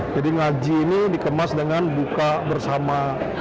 jadi ngaji ini dikemas dengan buka bersama